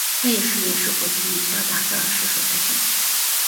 它也是是美式国际名校达卡市所在地。